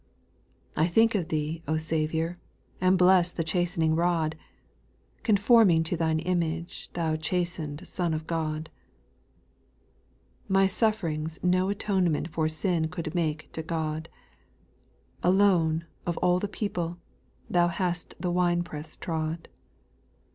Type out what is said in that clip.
2. I think of Thee, O Saviour, And bless the chastening rod. Conforming to Thine image, Thou chasten'd Son of God. 3. My sufferings no atonement For sin could make to God ; Alone, of all the people, Thou hast the winepress trod.